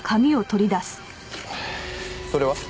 それは？